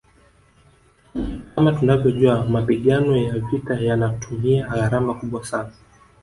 Kama tunavyojua mapigano ya vita yanatumia gharama kubwa sana